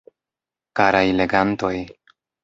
Karaj legantoj!